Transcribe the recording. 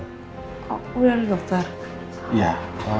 oh udah ada dokter